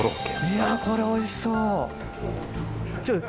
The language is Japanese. いやこれおいしそう！